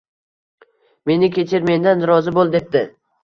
Meni kechir, mendan rozi bo`l, debdi